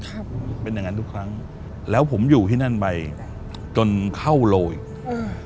ครับเป็นอย่างงั้นทุกครั้งแล้วผมอยู่ที่นั่นไปจนเข้าโลอีกอ่า